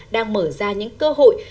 đang mở ra những cơ hội